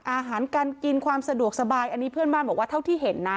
อาหารการกินความสะดวกสบายอันนี้เพื่อนบ้านบอกว่าเท่าที่เห็นนะ